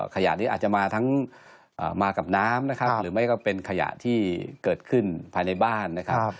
ขยะนี้อาจจะมาทั้งมากับน้ำนะครับหรือไม่ก็เป็นขยะที่เกิดขึ้นภายในบ้านนะครับ